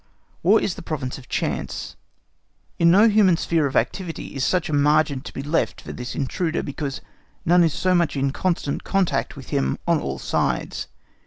War is the province of chance. In no sphere of human activity is such a margin to be left for this intruder, because none is so much in constant contact with him on all sides.